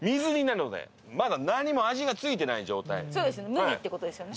無味ってことですよね。